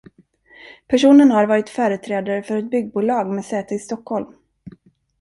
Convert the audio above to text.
Personen har varit företrädare för ett byggbolag med säte i Stockholm.